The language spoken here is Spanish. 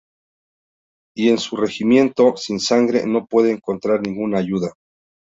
Y en su regimiento sin sangre no puede encontrar ninguna ayuda.